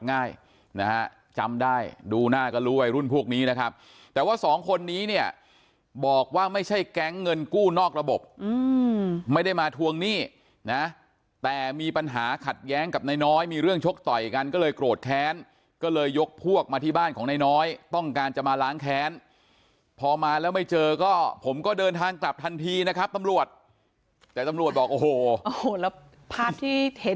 ง่ายนะฮะจำได้ดูหน้าก็รู้วัยรุ่นพวกนี้นะครับแต่ว่าสองคนนี้เนี่ยบอกว่าไม่ใช่แก๊งเงินกู้นอกระบบไม่ได้มาทวงหนี้นะแต่มีปัญหาขัดแย้งกับนายน้อยมีเรื่องชกต่อยกันก็เลยโกรธแค้นก็เลยยกพวกมาที่บ้านของนายน้อยต้องการจะมาล้างแค้นพอมาแล้วไม่เจอก็ผมก็เดินทางกลับทันทีนะครับตำรวจแต่ตำรวจบอกโอ้โหแล้วภาพที่เท